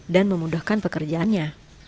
dan memudahkan pekerjaannya